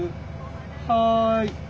はい。